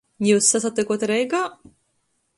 Jius sasatykot Reigā?